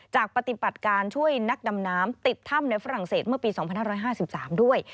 ปฏิบัติการช่วยนักดำน้ำติดถ้ำในฝรั่งเศสเมื่อปี๒๕๕๓ด้วย